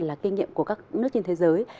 là kinh nghiệm của các nước trên thế giới